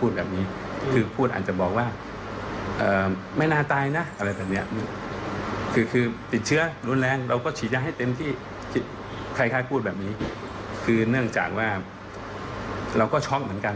คือเนื่องจากว่าเราก็ช็อกเหมือนกัน